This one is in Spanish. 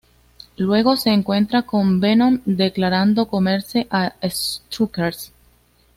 Luego se encuentra con Venom declarando comerse a Strucker.